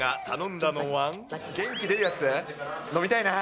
元気出るやつ飲みたいなー。